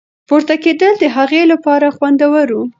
پورته کېدل د هغې لپاره خوندور وو.